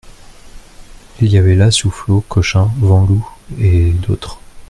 Il y avait là Soufflot, Cochin, Van Loo et d'autres.